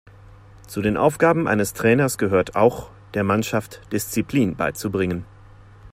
Zu den Aufgaben eines Trainers gehört auch, der Mannschaft Disziplin beizubringen.